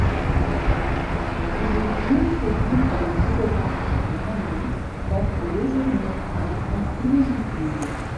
Josephine, séduite par le photographe de famille, porte, désormais, un enfant illégitime.